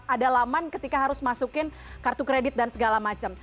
ada laman ketika harus masukin kartu kredit dan segala macam